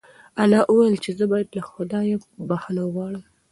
انا وویل چې زه باید له خدایه بښنه وغواړم.